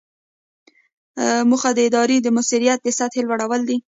موخه د ادارې د مؤثریت د سطحې لوړول دي.